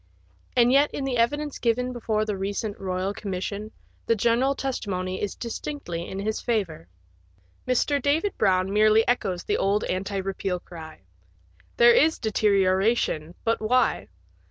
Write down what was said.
And yet in the evidence given before the recent Eoyal Commission the general testimony is distinctly in his favour. Mr. David Brown merely echoes the old anti repeal cry. There is deterioration, but why?